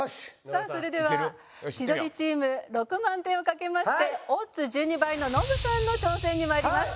さあそれでは千鳥チーム６万点を賭けましてオッズ１２倍のノブさんの挑戦に参ります。